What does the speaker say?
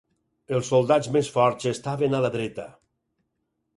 Els soldats més forts estaven a la dreta.